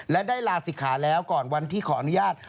และได้ลาศิกขาแล้วก่อนวันที่ขออนุญาต